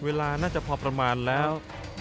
เวลาน่าจะพอประมาณแล้ว